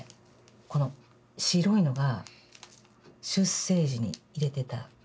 この白いのが出生時に入れてた義眼です。